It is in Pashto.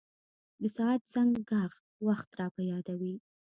د ساعت زنګ ږغ وخت را په یادوي.